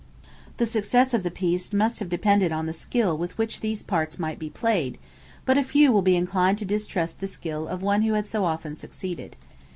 The success of the piece must have depended on the skill with which these parts might be played; but few will be inclined to distrust the skill of one who had so often succeeded.